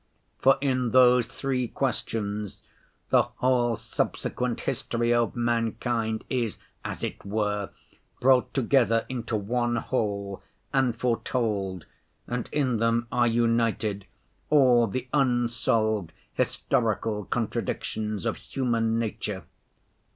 For in those three questions the whole subsequent history of mankind is, as it were, brought together into one whole, and foretold, and in them are united all the unsolved historical contradictions of human nature.